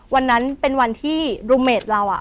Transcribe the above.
วันนั้นเป็นวันที่รูเมดเรา